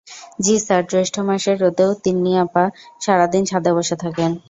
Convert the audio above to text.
জ্বি স্যার জ্যৈষ্ঠ মাসের রোদেও তিন্নি আপা সারা দিন ছাদে বসে থাকেন।